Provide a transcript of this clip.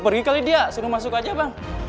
pergi kali dia suruh masuk aja bang